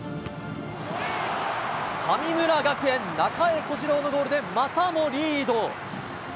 神村学園、中江小次郎のゴールでまたもリード。